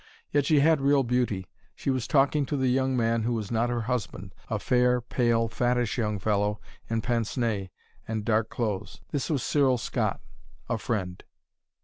Yet she had real beauty. She was talking to the young man who was not her husband: a fair, pale, fattish young fellow in pince nez and dark clothes. This was Cyril Scott, a friend.